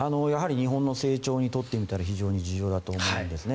日本の成長にとってみたら非常に重要だと思うんですね。